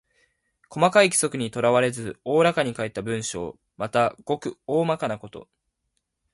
細かい規則にとらわれず大らかに書いた文章。また、ごく大まかなこと。